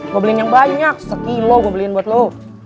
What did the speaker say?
gue beliin yang banyak sekilo gue beliin buat lo